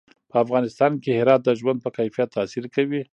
په افغانستان کې هرات د ژوند په کیفیت تاثیر کوي.